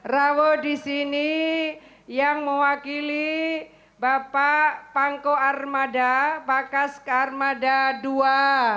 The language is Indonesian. rawo di sini yang mewakili bapak pangko armada pakas armada ii